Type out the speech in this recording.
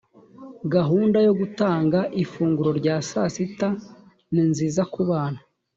gahunda yo gutanga ifunguro rya saa sita ninziza kubana.